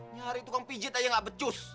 nyari tukang pijit aja gak becus